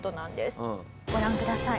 ご覧ください。